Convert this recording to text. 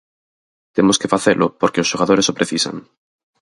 Temos que facelo porque os xogadores o precisan.